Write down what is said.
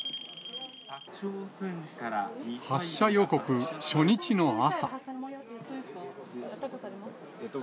発射予告初日の朝。